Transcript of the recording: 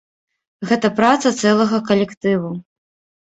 Гэта праца цэлага калектыву.